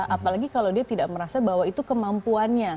apalagi kalau dia tidak merasa bahwa itu kemampuannya